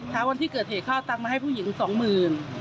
เช้าวันที่เกิดเหตุเขาเอาตังค์มาให้ผู้หญิงสองหมื่น